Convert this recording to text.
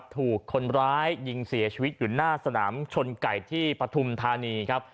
ถูกคนร้ายยิงเสียชีวิตอยู่หน้าสนามชนไก่ที่ปฐุมธานีครับ